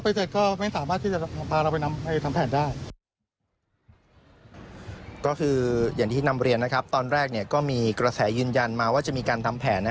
ก็คือตอนแรกคือที่ที่นำเรียนก็มีกระแสยืนยันมาว่าจะมีการทำแผน